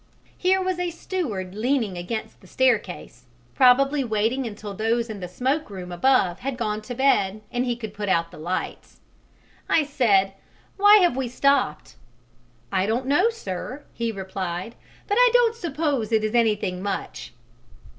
Here was a steward leaning against the staircase, probably waiting until those in the smoke room above had gone to bed and he could put out the lights. I said, "Why have we stopped?" "I don't know, sir," he replied, "but I don't suppose it is anything much."